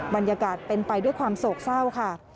บรรยากาศเป็นไปด้วยความโศกเศร้าค่ะ